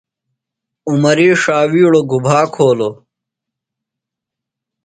عمری شاویڑو گُبھا کھولو؟